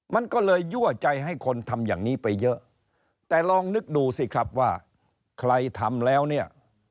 มันก็เลยยั่วใจให้คนทำอย่างนี้ไปเยอะแต่ลองนึกดูสิครับว่าใครทำแล้วเนี่ย